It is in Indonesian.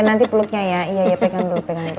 nanti peluknya ya iya ya pegang dulu pegang dulu